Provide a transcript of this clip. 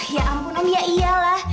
ya ampun om ya iyalah